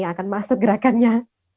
yang akan masuk gerakannya